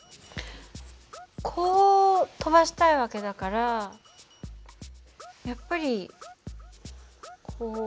こう飛ばしたい訳だからやっぱりこう。